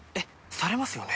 されますよね？